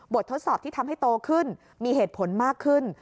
ทดสอบที่ทำให้โตขึ้นมีเหตุผลมากขึ้น